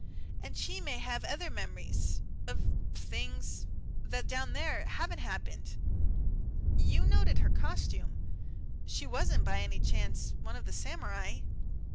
And she may have other memories of things that down there haven't happened. You noted her costume. She wasn't by any chance one of the samurai?"